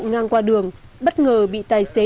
ngang qua đường bất ngờ bị tài xế